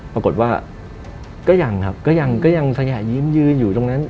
ปรากฏว่าก็ยังครับก็ยังสยะยิ้มยืนอยู่ตรงนั้น